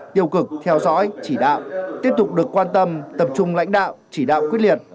tiêu cực theo dõi chỉ đạo tiếp tục được quan tâm tập trung lãnh đạo chỉ đạo quyết liệt